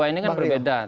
dua ini kan berbeda